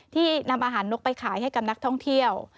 ที่นำอาหารนกไปขายให้กับนักท่องเที่ยว